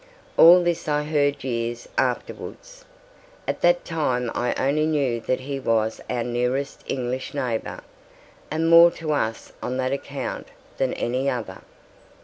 All this I heard years afterwards. At that time I only knew that he was our nearest English neighbour, and more to us on that account than any other.